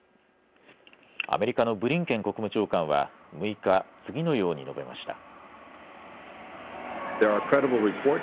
アメリカのブリンケン国務長官は６日、次のように述べました。